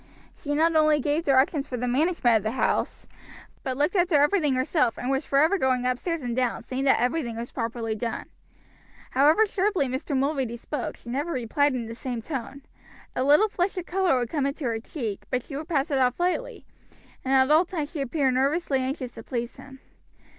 She not only gave directions for the management of the house, but looked after everything herself, and was forever going upstairs and down, seeing that everything was properly done. However sharply Mr. Mulready spoke she never replied in the same tone. A little flush of color would come into her cheek, but she would pass it off lightly, and at all times she appeared nervously anxious to please him.